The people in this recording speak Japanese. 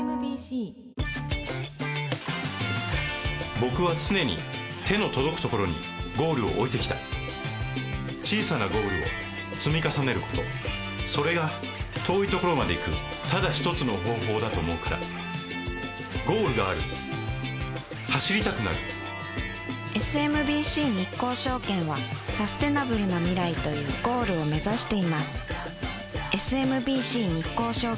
僕は常に手の届くところにゴールを置いてきた小さなゴールを積み重ねることそれが遠いところまで行くただ一つの方法だと思うからゴールがある走りたくなるＳＭＢＣ日興証券はサステナブルな未来というゴールを目指していますＳＭＢＣ日興証券